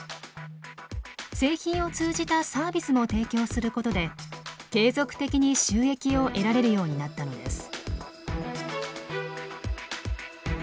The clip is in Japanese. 製品を通じたサービスも提供することで継続的に収益を得られるようになったのです。